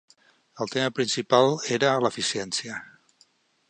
El tema principal era l' "eficiència".